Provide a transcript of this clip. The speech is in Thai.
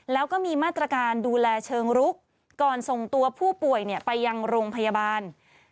แล้วก็มีมาตรการดูแลเชิงรุกก่อนส่งตัวผู้ป่วยไปยังโรงพยาบาล